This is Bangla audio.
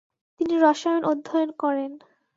তিনি রসায়ন অধ্যয়ন করেন।